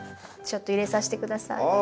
ちょっと入れさして下さい。